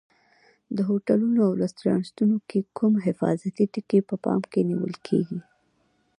د هوټلونو او رستورانتونو کې کوم حفاظتي ټکي په پام کې نیول کېږي؟